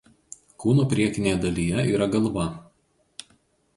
Kūno priekinėje dalyje yra galva.